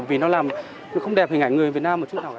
vì nó làm nó không đẹp hình ảnh người việt nam một chút nào cả